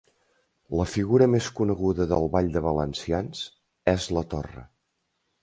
La figura més coneguda del ball de valencians és la torre.